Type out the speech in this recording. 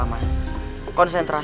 dan membuatnya menjadi seorang yang berguna